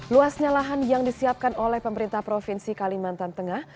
luasnya lahan yang disiapkan oleh pemerintah provinsi kalimantan tengah